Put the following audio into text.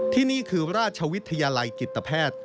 ที่นี่คือราชวิทยาลัยจิตแพทย์